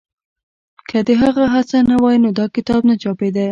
که د هغه هڅه نه وای نو دا کتاب نه چاپېده.